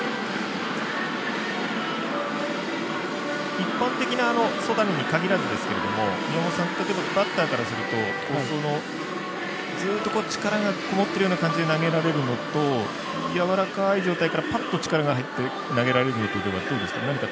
一般的な曽谷にかぎらずですけど例えば、バッターからするとずっと力がこもってるような感じで投げられるのとやわらかい状態からパッと力が入って投げられるのとではどうですか。